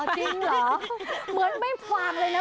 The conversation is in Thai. จริงเหรอเหมือนไม่ฟางเลยนะ